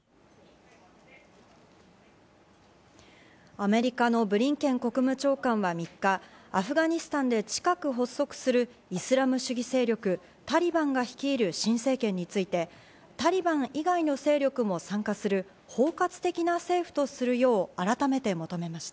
アメリカのブリンケン国務長官は３日、アフガニスタンで近く発足するイスラム主義勢力・タリバンが率いる新政権についてタリバン以外の勢力も参加する包括的な政府とするよう改めて求めました。